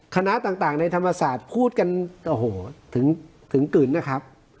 คณะต่างในธรรมศาสตร์พูดกันโอ้โหถึงกึ่งนะครับ